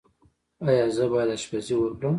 ایا زه باید اشپزي وکړم؟